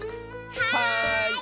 はい！